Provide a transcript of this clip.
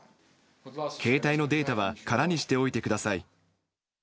携帯のデータは空にしておいてください。